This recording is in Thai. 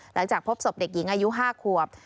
หลังจากพบศพเด็กหญิงอายุ๕ขวบ